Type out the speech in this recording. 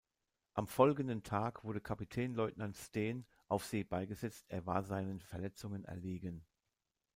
Am folgenden Tag wurde Kapitänleutnant Steen auf See beigesetzt, er war seinen Verletzungen erlegen.